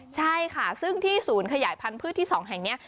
ใช่ค่ะซึ่งที่ศูนย์ขยายพันธุ์ที่๒แห่งนี้